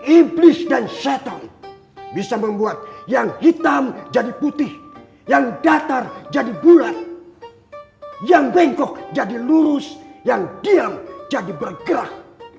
iblis dan shuttle bisa membuat yang hitam jadi putih yang datar jadi bulat yang bengkok jadi lurus yang diam jadi bergerak